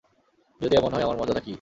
যদি এমন হয়, আমার মর্যাদা কী?